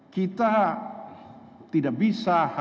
kita tidak bisa